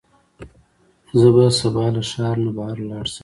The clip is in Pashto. زه به سبا له ښار نه بهر لاړ شم.